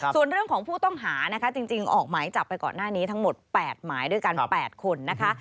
ส่วนเรื่องของผู้ต้องหานะคะจริงออกหมายจับไปก่อนหน้านี้ทั้งหมด๘หมายด้วยกัน๘คนนะคะ